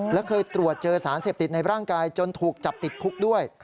และเคยตรวจเจอสารเสพติดในร่างกายจนถูกจับติดคุกด้วย